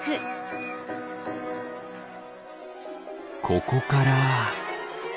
ここから。